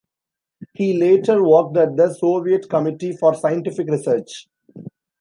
He later worked at the Soviet Committee for Scientific Research.